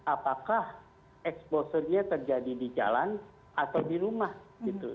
apakah exposure nya terjadi di jalan atau di rumah gitu